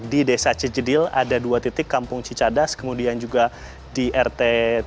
di desa cijedil ada dua titik kampung cicadas kemudian juga di rt tiga